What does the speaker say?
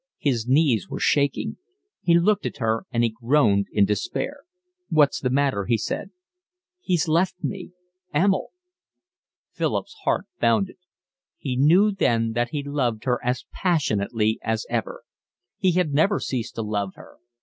His knees were shaking. He looked at her, and he groaned in despair. "What's the matter?" he said. "He's left me—Emil." Philip's heart bounded. He knew then that he loved her as passionately as ever. He had never ceased to love her.